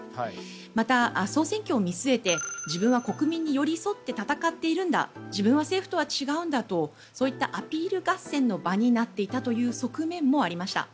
また総選挙を見据えて自分は国民に寄り添って戦っているんだ自分は政府と違うんだというアピール合戦の場になっていたという側面もありました。